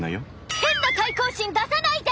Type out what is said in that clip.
変な対抗心出さないで！